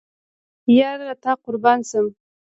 یاره له تا قربان شم